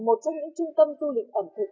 một trong những trung tâm tu lịch ẩm thực